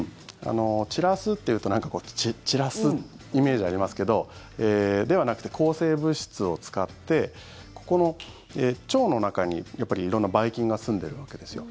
散らすっていうとこう散らすイメージありますけどではなくて抗生物質を使ってここの腸の中に色んなばい菌がすんでるわけですよ。